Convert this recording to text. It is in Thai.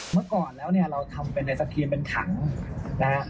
เมื่อก่อนแล้วเราทำเป็นอะไรสักทีเป็นถังนะครับ